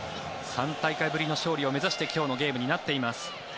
３大会ぶりの勝利を目指して今日のゲームになっています。